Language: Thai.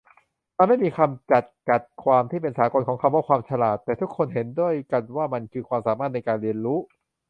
มันไม่มีคำจัดกัดความที่เป็นสากลของคำว่า ความฉลาด แต่ทุกคนเห็นด้วยกันว่ามันคือความสามารถในการเรียนรู้